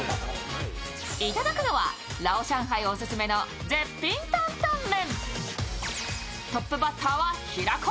いただくのは、ラオ・シャンハイオススメの絶品担々麺。